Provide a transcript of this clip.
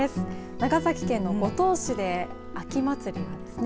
長崎県の五島市で秋祭りがですね